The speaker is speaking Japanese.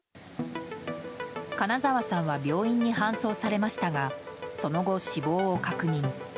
金沢さんは病院に搬送されましたがその後、死亡を確認。